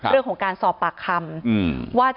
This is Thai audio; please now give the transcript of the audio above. เรื่องของการสอบปากคำว่า